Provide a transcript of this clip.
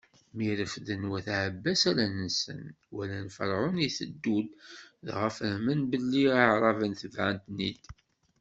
Mi refden wat Ɛebbas allen-nsen, walan Ferɛun itteddu-d, dɣa fehmen belli Iɛraben tebɛen-ten-id.